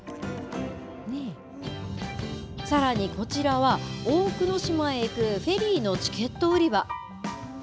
さらにこちらは、大久野島へ行くフェリーのチケット売り場。